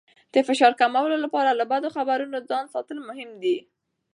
د فشار کمولو لپاره له بدو خبرونو ځان ساتل مهم دي.